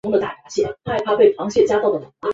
该材料被广泛使用在汽车和消费电子产业。